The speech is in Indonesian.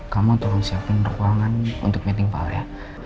kamu tolong siapkan ruangan untuk meeting pak al ya